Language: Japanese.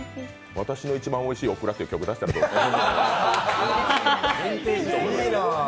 「わたしの一番おいしいオクラ」っていう曲、出したらどうですか？